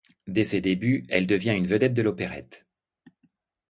Dès ses débuts, elle devient une vedette de l'opérette.